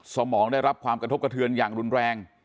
สมองได้รับความกระทบกระเทือนอย่างรุนแรง